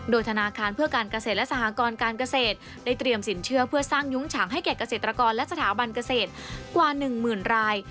โดยธนาคารเพื่อการเกษตรและสหกรการเกษตรได้เตรียมสินเชื่อเพื่อสร้างยุ้งฉางให้แก่เกษตรกรและสถาบันเกษตรกว่าหนึ่งหมื่นราย